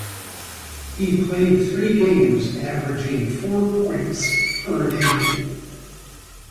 He played three games averaging four points per game.